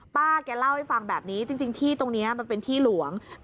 ป้าแกเล่าให้ฟังแบบนี้จริงที่ตรงนี้มันเป็นที่หลวง